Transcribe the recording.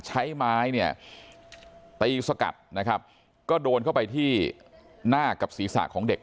ใช้ไม้เนี่ยตีสกัดนะครับก็โดนเข้าไปที่หน้ากับศีรษะของเด็ก